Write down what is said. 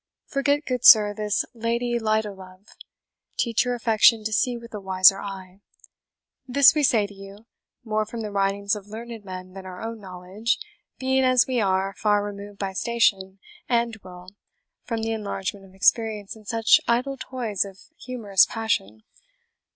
Forget, good sir, this Lady Light o' Love teach your affection to see with a wiser eye. This we say to you, more from the writings of learned men than our own knowledge, being, as we are, far removed by station and will from the enlargement of experience in such idle toys of humorous passion.